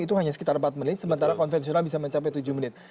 itu hanya sekitar empat menit sementara konvensional bisa mencapai tujuh menit